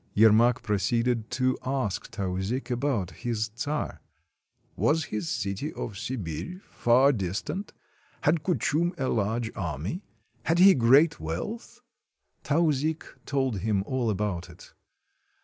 Yermak proceeded to ask Tauzik about his czar. "Was his city of Sibir far distant? Had Kuchum a large army? Had he great wealth?" Tauzik told him all about it.